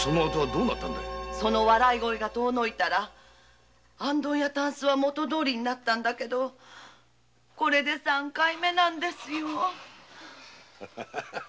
その笑い声が遠のいたら元どおりになったんだけどこれで三回目なんですよ。